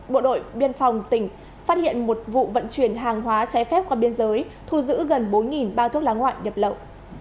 bộ đội biên phòng tỉnh phát hiện một vụ vận chuyển hàng hóa trái phép qua biên giới thu giữ gần bốn bao thuốc lá ngoại nhập lậu